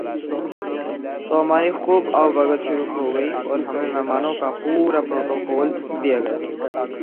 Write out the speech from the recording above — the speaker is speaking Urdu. تو ہماری خوب آؤ بھگت شروع ہو گئی اور ہمیں مہمانوں کا پورا پروٹوکول دیا گیا ۔